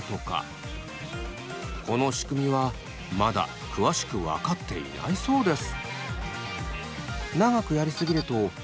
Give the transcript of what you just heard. この仕組みはまだ詳しく分かっていないそうです。